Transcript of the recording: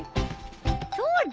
そうだ！